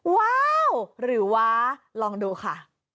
ว้าวหรือว้าลองดูค่ะ